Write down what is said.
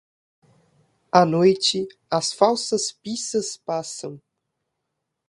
À noite, as falsas pissas passam.